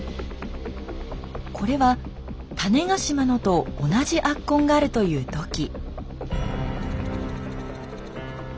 これは種子島のと同じ圧痕があるという土器。